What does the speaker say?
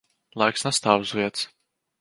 Laiks nestāv uz vietas.